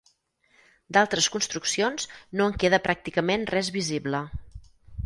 D'altres construccions no en queda pràcticament res visible.